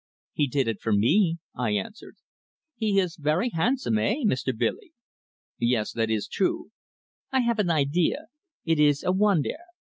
"He did it for me," I answered. "He ees vairy handsome, eh, Meester Billee?" "Yes, that is true." "I have an idea; eet ees a wondair."